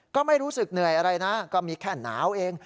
ก็ไม่รู้สึกเหนื่อยอะไรนะก็มีแค่หนาวเอง